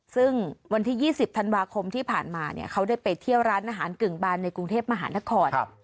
ซึ่งวันที่๒๐ธันวาคมที่ผ่านมาเขาได้ไปเที่ยวร้านอาหารกึ่งบานในกรุงเทพมหานคร